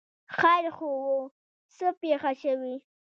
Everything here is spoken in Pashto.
ـ خیر خو وو، څه پېښه شوې؟